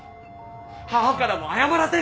母からも謝らせる。